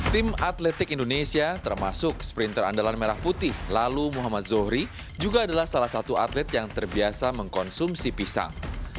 tim atletik indonesia termasuk sprinter andalan merah putih lalu muhammad zohri juga adalah salah satu atlet yang terbiasa mengkonsumsi pisang